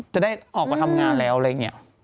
จะได้ออกมาทำงานแล้วอะไรอย่างนี้